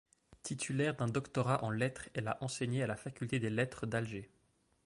Titulaire d'un Doctorat en Lettres, elle a enseigné à la Faculté des Lettres d'Alger.